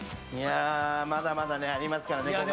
まだまだありますからね。